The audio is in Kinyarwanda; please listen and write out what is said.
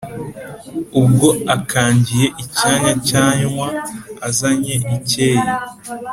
Ubwo akangiye icyanya Cyanwa azanye ikeyi